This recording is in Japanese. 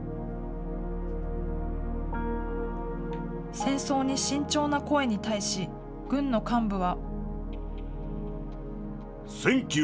戦争に慎重な声に対し、軍の幹部は。